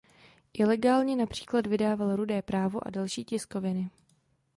Ilegálně například vydával "Rudé právo" a další tiskoviny.